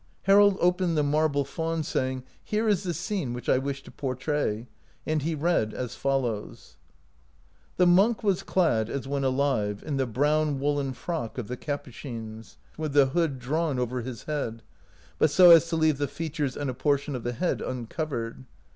Harold opened the " Marble Faun," saying, " Here is the scene which I wish to portray," and he read as follows :' The monk was clad as when alive, in the brown woolen frock of the Capuchins, with the hood drawn over his head, but so as to leave the features and a portion of the head uncovered.